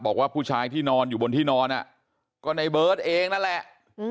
บอกว่าผู้ชายที่นอนอยู่บนที่นอนก็ในเบิร์ตเองนั่นแหละ